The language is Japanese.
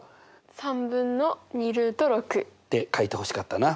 ３分の２。って書いてほしかったな。